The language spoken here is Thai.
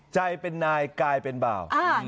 ใจเป็นนายกายเป็นเบา